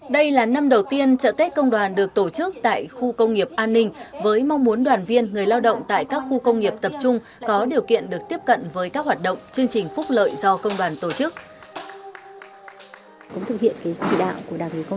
đây là năm đầu tiên trợ tết công đoàn được tổ chức tại khu công nghiệp an ninh với mong muốn đoàn viên người lao động tại các khu công nghiệp tập trung có điều kiện được tiếp cận với các hoạt động chương trình phúc lợi do công đoàn tổ chức